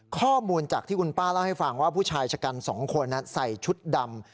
ข้อมูลจากที่คุณป้าเล่าให้ฟังว่าผู้ชายชะกัน๒คนใส่ชุดดำ